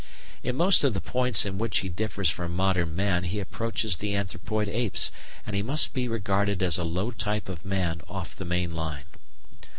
In most of the points in which he differs from modern man he approaches the anthropoid apes, and he must be regarded as a low type of man off the main line.